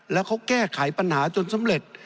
แล้วเขาแก้ไขปัญหาจนสำเร็จ